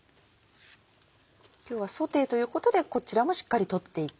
今日はソテーということでこちらもしっかり取っていく。